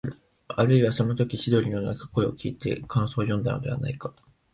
あるいは、そのとき千鳥の鳴く声をきいて感想をよんだのではないか、